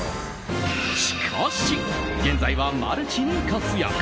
しかし現在は、マルチに活躍。